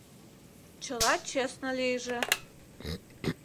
Чыла честно лийже.